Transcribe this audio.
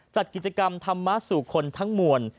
จัดกิจกรรมทำมาสู่คนทั้งหมวน